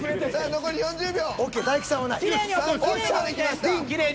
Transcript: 残り３０秒。